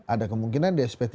ada kemungkinan di sp tiga